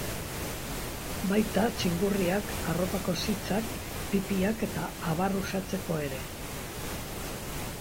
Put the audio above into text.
Baita txingurriak, arropako sitsak, pipiak eta abar uxatzeko ere.